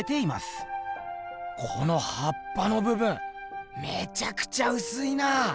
このはっぱのぶぶんめちゃくちゃうすいな。